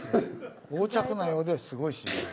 横着なようですごいしんどい。